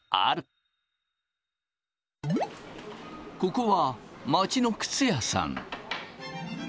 ここは街の靴屋さん。